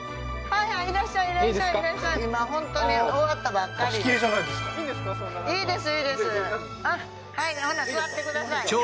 はいほな座ってください